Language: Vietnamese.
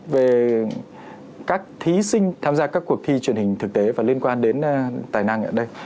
về các thí sinh tham gia các cuộc thi truyền hình thực tế và liên quan đến tài năng ở đây